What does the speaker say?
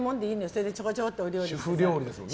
それでちょろちょろっと料理して。